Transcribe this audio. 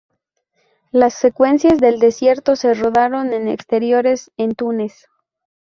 Las secuencias del desierto se rodaron en exteriores en Túnez.